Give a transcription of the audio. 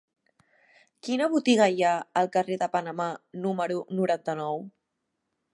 Quina botiga hi ha al carrer de Panamà número noranta-nou?